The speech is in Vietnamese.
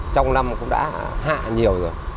trong năm cũng đã hạ nhiều rồi